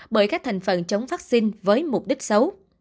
bởi các thành phần chống vaccine với mục đích xấu